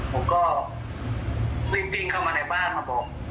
ผมก็รีบวิ่งเข้ามาในบ้านมาบอก